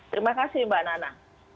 terima kasih mbak nana